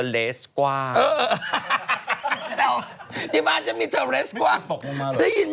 แล้วแก้ผ้าไหมถู๊